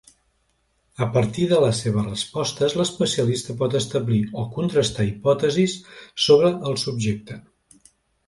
A partir de les seves respostes, l'especialista pot establir o contrastar hipòtesis sobre el subjecte.